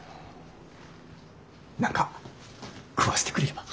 何か食わせてくれれば。